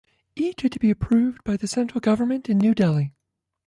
Each had to be approved by the central government in New Delhi.